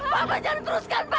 bapak jangan teruskan pak